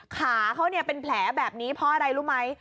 ขาเขาเป็นแผลแบบนี้เพราะอะไรรู้ไหม